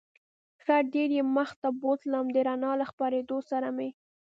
ښه ډېر یې مخ ته بوتلم، د رڼا له خپرېدو سره مې.